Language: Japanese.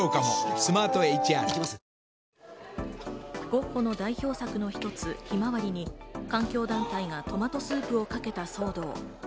ゴッホの代表作の一つ『ひまわり』に環境団体がトマトスープをかけた騒動。